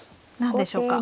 何でしょうか。